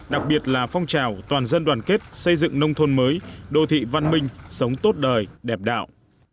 đặc biệt là phong trào toàn dân đoàn kết xây dựng nông thôn mới đô thị văn minh sống tốt đời đẹp đạo